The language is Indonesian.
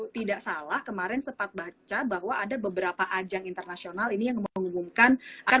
tidak salah kemarin sempat baca bahwa ada beberapa ajang internasional ini yang mengumumkan akan